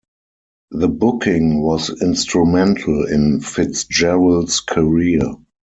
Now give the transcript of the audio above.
The booking was instrumental in Fitzgerald's career.